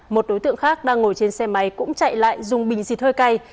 một đối tượng khác đang ngồi trên xe máy cũng chạy lại dùng bình xịt hơi cay